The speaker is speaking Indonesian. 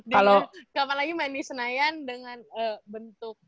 kapan lagi main di senayan dengan bentuk